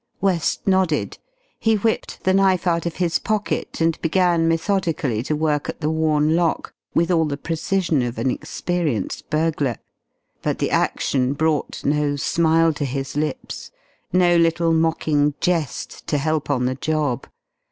West nodded. He whipped the knife out of his pocket and began methodically to work at the worn lock with all the precision of an experienced burglar. But the action brought no smile to his lips, no little mocking jest to help on the job.